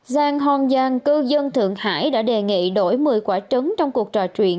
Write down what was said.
giang hòn giang cư dân thượng hải đã đề nghị đổi một mươi quả trứng trong cuộc trò chuyện